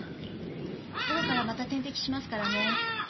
午後からまた点滴しますからね。